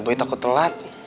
buat aku telat